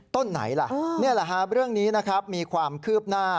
ต้นไหนล่ะเรื่องนี้มีความคืบหน้า